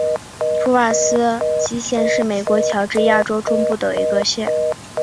普瓦斯基县是美国乔治亚州中部的一个县。